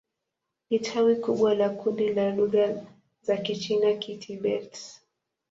Ni tawi kubwa la kundi la lugha za Kichina-Kitibet.